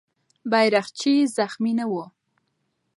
بیرغچی زخمي نه و.